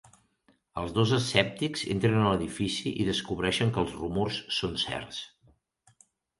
Els dos escèptics entren a l'edifici i descobreixen que els rumors són certs.